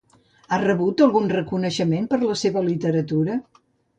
Ha rebut algun reconeixement per la seva literatura?